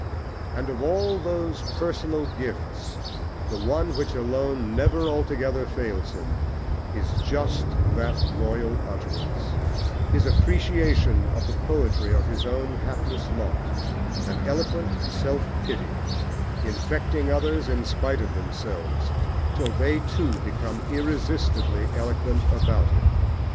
And of all those personal gifts the one which alone never altogether fails him is just that royal utterance, his appreciation of the poetry of his own hapless lot, an eloquent self pity, infecting others in spite of themselves, till they too become irresistibly eloquent about him.